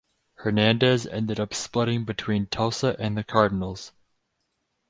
Hernandez ended up splitting between Tulsa and the Cardinals.